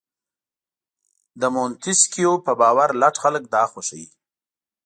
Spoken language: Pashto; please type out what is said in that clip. د مونتیسکیو په باور لټ خلک دا خوښوي.